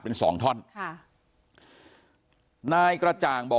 พันให้หมดตั้ง๓คนเลยพันให้หมดตั้ง๓คนเลย